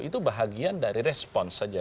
itu bahagian dari respons saja